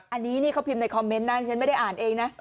อันนี้นี่เขาพิมพ์ในคอมเมนต์นะฉันไม่ได้อ่านเองนะ